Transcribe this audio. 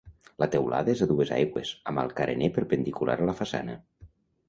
La teulada és a dues aigües amb el carener perpendicular a la façana.